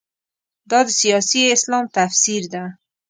دا د سیاسي اسلام تفسیر ده.